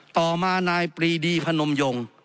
ต่อมานายปรีดีพนมยง